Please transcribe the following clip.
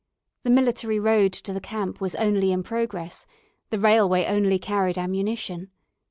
The military road to the camp was only in progress the railway only carried ammunition.